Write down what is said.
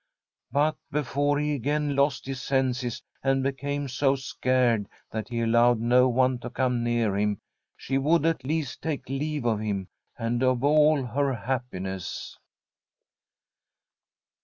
But be fore he again lost his senses, and became so scared that he allowed no one to come near him, she would at least take leave of him and of all her happiness.